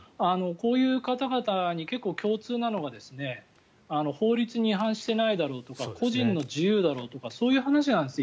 こういう方々に結構、共通なのが法律に違反していないだろうとか個人の自由だろうとかそういう話なんですね。